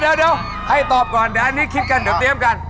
เดี๋ยวให้ตอบก่อนเดี๋ยวอันนี้คิดกันเดี๋ยวเตรียมกัน